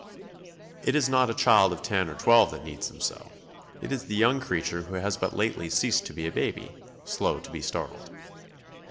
It is not a child of ten or twelve that needs them so; it is the young creature who has but lately ceased to be a baby, slow to be startled.